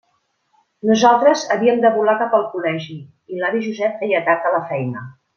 Nosaltres havíem de volar cap al col·legi i l'avi Josep feia tard a la feina.